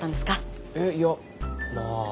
えっいやまあ